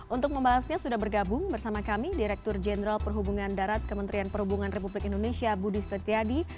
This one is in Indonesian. untuk membahasnya sudah bergabung bersama kami direktur jenderal perhubungan darat kementerian perhubungan republik indonesia budi setiadi